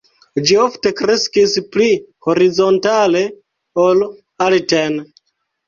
Ĝi ofte kreskis pli horizontale ol alten.